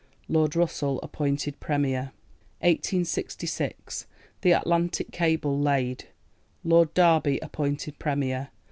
Lord Russell appointed Premier. 1866. THE ATLANTIC CABLE LAID. Lord Derby appointed Premier.